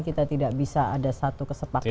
kita tidak bisa ada satu kesepakatan